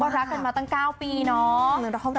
รักกันมาตั้ง๙ปีเนาะ